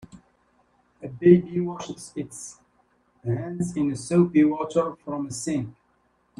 A baby washes its hands in soapy water from a sink.